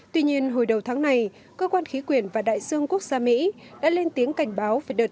tuy nhiên hồi đầu tháng này cơ quan khí quyển và đại dương quốc gia mỹ đã lên tiếng cảnh báo về đợt